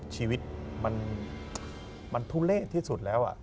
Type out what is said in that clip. ชีวิตมันทุเละที่สุดแล้ว